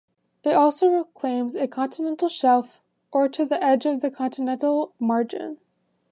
It also claims a continental shelf, or to the edge of the continental margin.